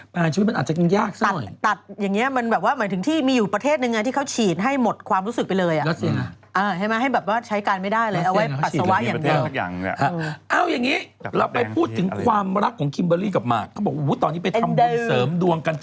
เป็นโฟกัสที่เลขงูยาวสามเมตรอืมอืมด้วย